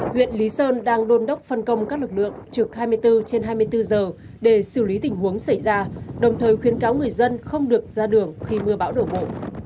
huyện lý sơn đang đôn đốc phân công các lực lượng trực hai mươi bốn trên hai mươi bốn giờ để xử lý tình huống xảy ra đồng thời khuyến cáo người dân không được ra đường khi mưa bão đổ bộ